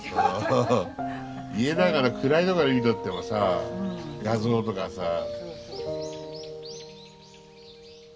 家の中の暗いとこで見とってもさあ画像とかさあ。